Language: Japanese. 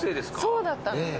そうだったんです。